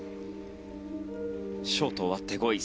ショート終わって５位。